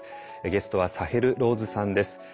ゲストはサヘル・ローズさんです。